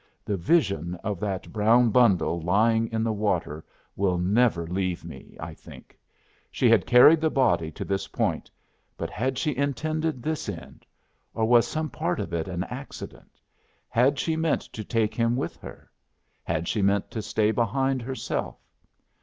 The vision of that brown bundle lying in the water will never leave me, I think. She had carried the body to this point; but had she intended this end? Or was some part of it an accident? Had she meant to take him with her? Had she meant to stay behind herself?